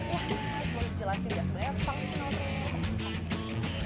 wah mau dijelasin ga sebenarnya functional training